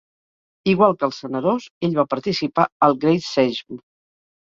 Igual que els senadors, ell va participar al Great Sejm.